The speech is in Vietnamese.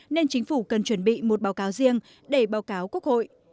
nên chính phủ cần chuẩn bị một báo cáo riêng để báo cáo quốc hội